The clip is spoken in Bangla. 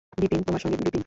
বিপিন, তোমার সঙ্গে– বিপিন।